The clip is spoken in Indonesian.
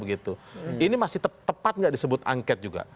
ini masih tepat nggak disebut angket juga